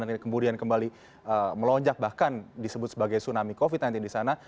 dan ini kemudian kembali melonjak bahkan disebut sebagai tsunami covid sembilan belas di sana